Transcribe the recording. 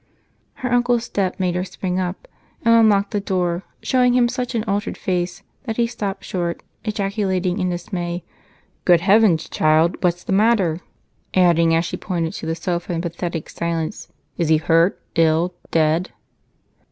Her uncle's step made her spring up and unlock the door, showing him such an altered face that he stopped short, ejaculating in dismay, "Good heavens, child! What's the matter?" adding, as she pointed to the sofa in pathetic silence, "Is he hurt? ill? dead?"